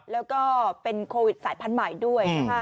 แล้วก็เป็นโควิดสายพันธุ์ใหม่ด้วยนะคะ